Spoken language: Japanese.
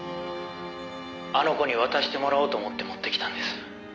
「あの子に渡してもらおうと思って持ってきたんです」